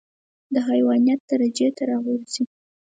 د حيوانيت درجې ته راغورځي.